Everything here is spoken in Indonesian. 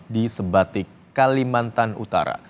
di sebatik kalimantan utara